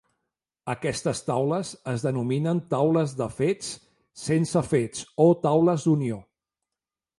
Aquestes taules es denominen "taules de fets sense fets" o "taules d'unió".